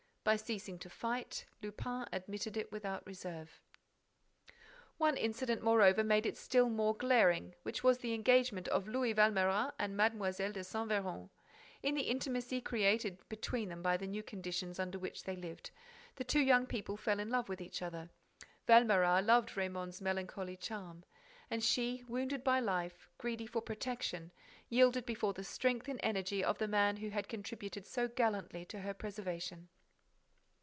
By ceasing to fight, Lupin admitted it without reserve. One incident, moreover, made it still more glaring, which was the engagement of Louis Valméras and Mlle. de Saint Véran. In the intimacy created between them by the new conditions under which they lived, the two young people fell in love with each other. Valméras loved Raymonde's melancholy charm; and she, wounded by life, greedy for protection, yielded before the strength and energy of the man who had contributed so gallantly to her preservation.